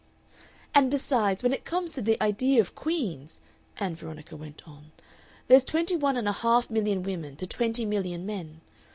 "And besides, when it comes to the idea of queens," Ann Veronica went on, "there's twenty one and a half million women to twenty million men.